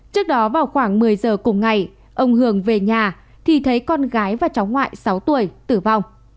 trước đó vào khoảng một mươi giờ cùng ngày ông hường về nhà thì thấy con gái và cháu ngoại sáu tuổi tử vong